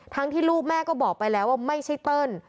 ที่ลูกแม่ก็บอกไปแล้วว่าไม่ใช่เติ้ล